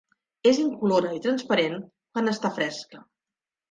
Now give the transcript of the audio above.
És incolora i transparent quan està fresca.